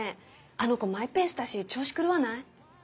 あの子マイペースだし調子狂わない？